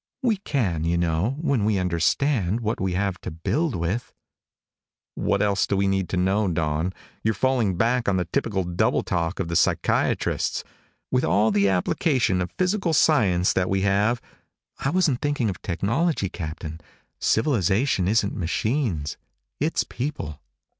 We can, you know, when we understand what we have to build with." "What else do we need to know, Dawn? You're falling back on the typical double talk of the psychiatrists. With all the application of physical science that we have " "I wasn't thinking of technology, Captain. Civilization isn't machines. It's people.